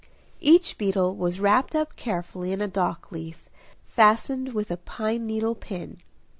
Each beetle was wrapped up carefully in a dock leaf, fastened with a pine needle pin.